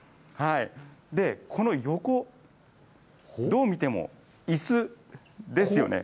この横、どう見てもいすですよね。